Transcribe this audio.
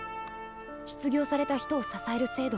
失業された人を支える制度もある。